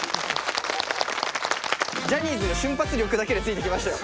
ジャニーズの瞬発力だけでついてきましたよ。